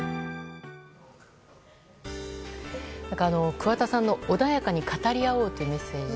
桑田さんの穏やかに語り合おうというメッセージ。